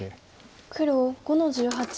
黒５の十八。